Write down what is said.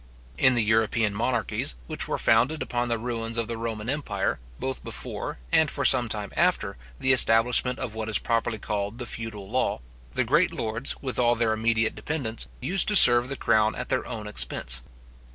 In the European monarchies, which were founded upon the ruins of the Roman empire, both before, and for some time after, the establishment of what is properly called the feudal law, the great lords, with all their immediate dependents, used to serve the crown at their own expense.